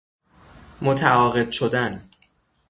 متعاقد شدن